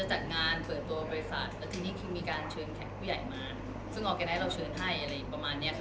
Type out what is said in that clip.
จัดงานเปิดตัวบริษัทแล้วทีนี้คือมีการเชิญแขกผู้ใหญ่มาซึ่งออร์แกไนท์เราเชิญให้อะไรประมาณเนี้ยค่ะ